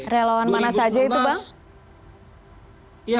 relawan mana saja itu bang